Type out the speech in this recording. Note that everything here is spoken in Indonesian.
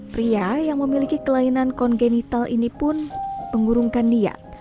pria yang memiliki kelainan kongenital ini pun mengurungkan niat